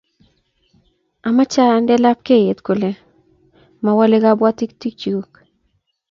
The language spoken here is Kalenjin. Amoche ande lapkeyet kole mawole kabwatutik chuk